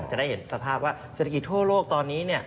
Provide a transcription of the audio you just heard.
จะได้เห็นสภาพว่าเศรษฐกิจทั่วโลกตอนนี้